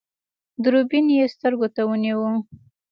دوربين يې سترګو ته ونيو.